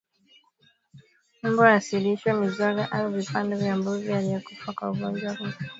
Mbwa wasilishwe mizoga au vipande vya mbuzi aliyekufa kwa ugonjwa huu